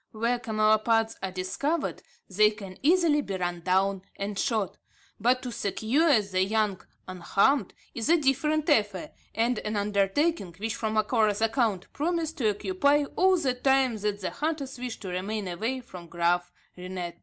Where camelopards are discovered they can easily be run down and shot; but to secure the young unharmed, is a different affair, and an undertaking, which, from Macora's account, promised to occupy all the time that the hunters wished to remain away from Graaf Reinet.